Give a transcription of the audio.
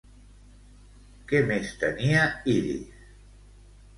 Què més tenia Iris?